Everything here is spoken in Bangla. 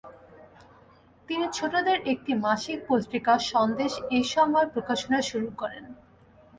তিনি ছোটদের একটি মাসিক পত্রিকা, 'সন্দেশ', এই সময় প্রকাশনা শুরু করেন।